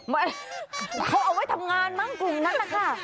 เขาเอาไว้ทำงานบ้างกลุ่มนั้นล่ะค่ะ